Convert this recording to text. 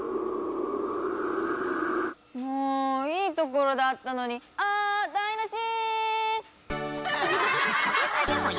もういいところだったのにあだいなし！